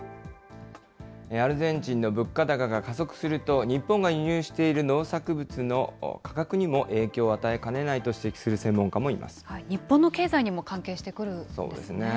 アルゼンチンの物価高が加速すると、日本が輸入している農作物の価格にも影響を与えかねないと指摘す日本の経済にも関係してくるそうですね。